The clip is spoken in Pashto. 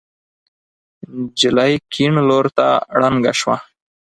نجلۍ کيڼ لور ته ړنګه شوه.